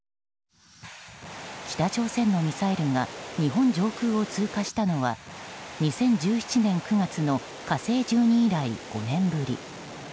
北朝鮮のミサイルが日本上空を通過したのは２０１７年９月の「火星１２」以来５年ぶり。